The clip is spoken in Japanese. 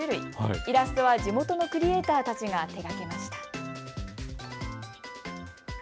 イラストは地元のクリエーターたちが手がけました。